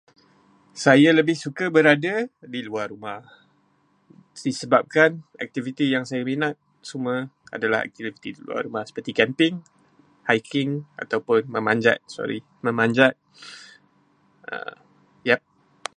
Saya lebih suka berada di luar rumah, disebabkan aktiviti yang saya minat semua aktiviti di luar rumah, seperti camping, hiking ataupun memanjat. Sorry, memanjat. Ya.